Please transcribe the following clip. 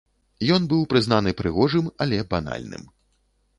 Ён быў прызнаны прыгожым, але банальным.